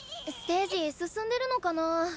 ステージ進んでるのかなあ？